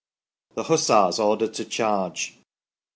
THE HUSSARS ORDERED TO CHARGE.